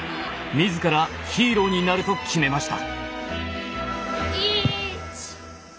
自らヒーローになると決めました。